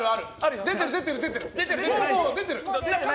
出てる、出てる。